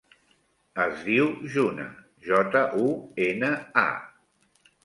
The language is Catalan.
Es diu Juna: jota, u, ena, a.